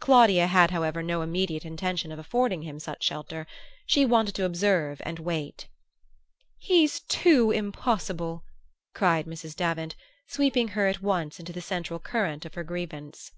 Claudia had however no immediate intention of affording him such shelter. She wanted to observe and wait. "He's too impossible!" cried Mrs. Davant, sweeping her at once into the central current of her grievance.